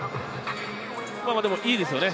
でも、いいですよね。